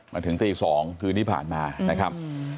มาถึงตี๒คืนที่ผ่านมานะครับ